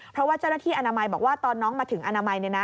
เพราะว่าเจ้าหน้าที่อนามัยบอกว่าตอนน้องมาถึงอนามัย